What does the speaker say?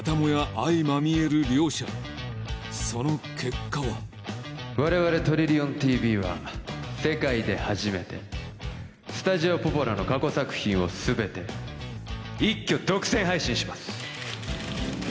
相まみえる両者その結果は我々トリリオンＴＶは世界で初めてスタジオポポラの過去作品を全て一挙独占配信します